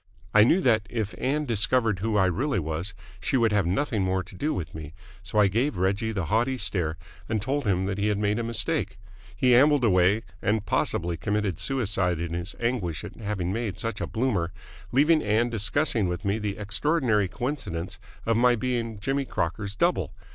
I knew that, if Ann discovered who I really was, she would have nothing more to do with me, so I gave Reggie the haughty stare and told him that he had made a mistake. He ambled away and possibly committed suicide in his anguish at having made such a bloomer leaving Ann discussing with me the extraordinary coincidence of my being Jimmy Crocker's double.